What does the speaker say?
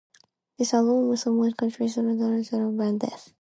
This album somewhat continues in the style of Reifert's former band Death.